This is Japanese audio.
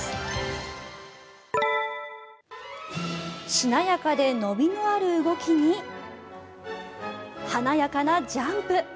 しなやかで伸びのある動きに華やかなジャンプ。